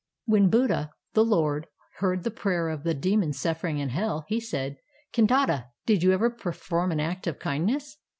"When Buddha, the Lord, heard the prayer of the demon suffering in hell, he said: 'Kandata, did you ever perform an act of kindness?